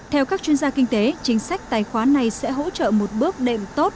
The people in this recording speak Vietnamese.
theo các chuyên gia kinh tế chính sách tài khoá này sẽ hỗ trợ một bước đệm tốt